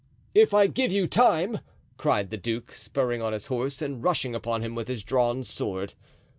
"If I give you time!" cried the duke, spurring on his horse and rushing upon him with his drawn sword.